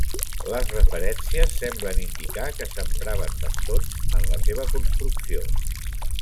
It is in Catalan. Les referències semblen indicar que s’empraven bastons en la seva construcció.